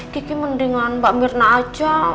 kiki mendingan mbak mirna aja